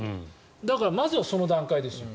だからまずはその段階です。